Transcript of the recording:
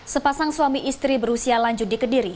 sepasang suami istri berusia lanjut di kediri